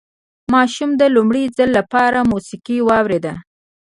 ماشوم د لومړي ځل لپاره موسيقي واورېده.